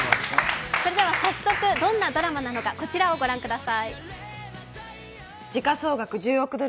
早速どんなドラマなのか、こちらを御覧ください。